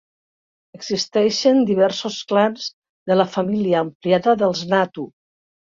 Existeixen diversos clans de la família ampliada dels Natu.